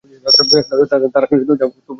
তারা কী জায়গামত পৌঁছে গেছে?